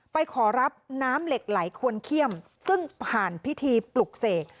ไปขอรับน้ำเหล็กไหลควรเขี้ยมซึ่งผ่านพิธีปลุกเสก